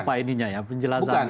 apa ininya ya penjelasannya